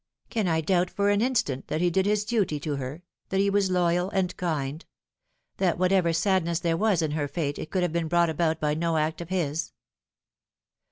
" Can I doubt for an instant that he did his duty to her ; that he was loyal and kind ; that whatever sadness there was in her fate it could have been brought about by no act of his?"